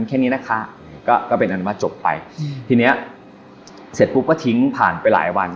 เสร็จปุ๊บก็ทิ้งผ่านไปหลายวัน